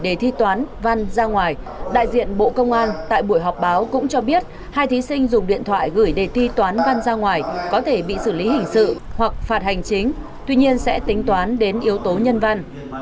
đại diện bộ công an tại buổi họp báo cũng cho biết hai thí sinh dùng điện thoại gửi đề thi toán văn ra ngoài có thể bị xử lý hình sự hoặc phạt hành chính tuy nhiên sẽ tính toán đến yếu tố nhân văn